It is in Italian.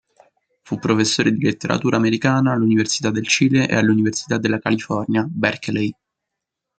Fu professore di letteratura americana all'Università del Cile e all'Università della California, Berkeley.